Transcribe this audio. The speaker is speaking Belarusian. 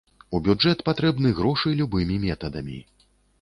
У бюджэт патрэбны грошы любымі метадамі.